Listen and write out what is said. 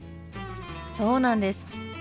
そうなんです。